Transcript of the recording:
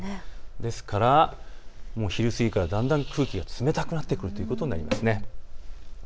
ですから、もうお昼過ぎからだんだん空気が冷たくなってくるということになります。